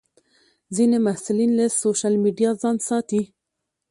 ځینې محصلین له سوشیل میډیا ځان ساتي.